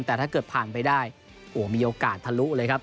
แต่ถ้าเกิดผ่านไปได้โอ้โหมีโอกาสทะลุเลยครับ